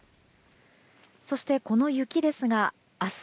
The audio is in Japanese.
そして、この雪ですが明日